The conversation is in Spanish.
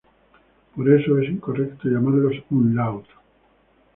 Por eso es incorrecto llamarlos "umlaut".